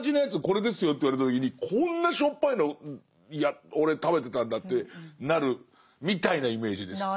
これですよと言われた時にこんなしょっぱいのいや俺食べてたんだってなるみたいなイメージです。